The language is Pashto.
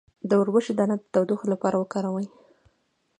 د وربشو دانه د تودوخې لپاره وکاروئ